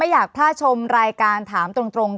ภารกิจสรรค์ภารกิจสรรค์